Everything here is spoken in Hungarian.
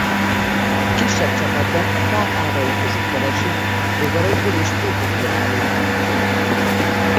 Kisebb csapatban a fák ágai között keresi rovarokból és pókokból álló táplálékát.